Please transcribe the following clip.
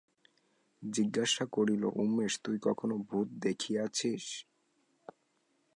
জিজ্ঞাসা করিল, উমেশ, তুই কখনো ভূত দেখিয়াছিস?